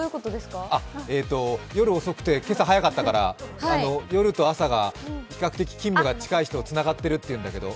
夜遅くて、今朝早かったから、夜と朝が比較的勤務が近い人をつながってると言うんだけど。